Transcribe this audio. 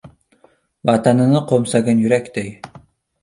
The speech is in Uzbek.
Vatanini qo‘msagan yurakday